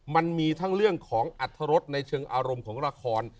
มันมีทั้งเรื่องของอัตรรสในเชิงอารมณ์ของละคร